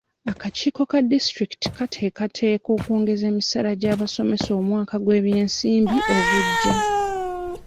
Akakiiko ka disitulikiti kateekateeka okwongeza emisaala gy'abasomesa omwaka gw'ebyensimbi ogujja.